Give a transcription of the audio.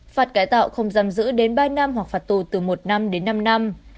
phạt cải tạo không giam giữ đến ba năm hoặc phạt tù từ một năm đến năm năm